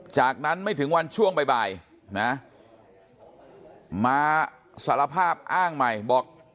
จากนั้นไม่ถึงวันช่วงบ่ายนะมาสารภาพอ้างใหม่บอก